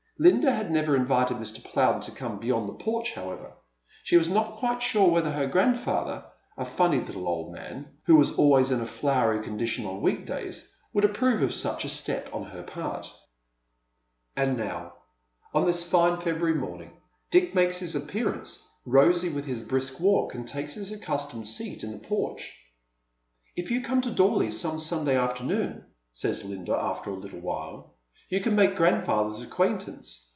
Linda had never invited Mr. Plowden to come beyond the porch, however. She waa not quite sure whether her grand father, a funny little old man, who was always in a floury condition on week days, would approve of such a step on htc* part 226 Dead Men's Shoes, And now, on this fine Febraary morning, Dick makes hi« appearance, rosy with his brisk walk, and takes his accustomed seat in the porch. " If you come to Dorley some Sunday afternoon," says Linda, after a little while, "you can make grandfather's acquaintance.